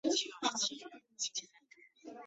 中华人民共和国建立初期仍属绥远省。